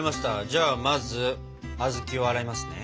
じゃあまず小豆を洗いますね。